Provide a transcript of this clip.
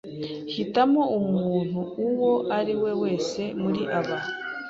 Hitamo umuntu uwo ari we wese muri aba.